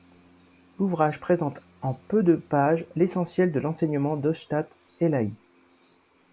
L’ouvrage présente en peu de pages l'essentiel de l'enseignement d’Ostad Elahi.